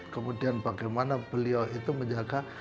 kemudian bagaimana beliau itu menjaga